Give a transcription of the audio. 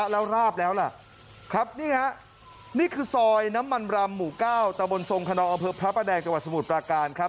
เราเอาเอาเพิบพระป้าแดงจังหวัดสมุทย์ปราการครับ